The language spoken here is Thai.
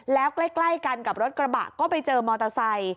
แล้วใกล้กันกับรถกระบะก็ไปเจอมอเตอร์ไซค์